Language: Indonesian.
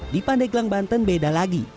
di pandeglang banten beda lagi